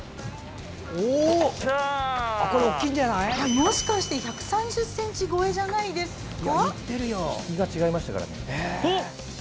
もしかして１３０ｃｍ超えじゃないですか。